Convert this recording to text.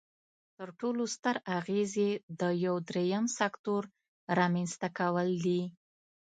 تر ټولو ستر اغیز یې د یو دریم سکتور رامینځ ته کول دي.